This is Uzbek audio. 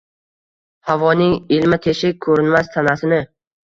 Havoning ilma-teshik ko‘rinmas tanasini